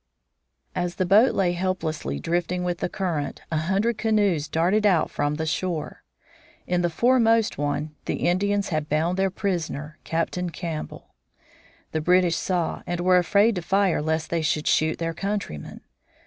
As the boat lay helplessly drifting with the current a hundred canoes darted out from the shore. In the foremost one the Indians had bound their prisoner, Captain Campbell. The British saw, and were afraid to fire lest they should shoot their countryman.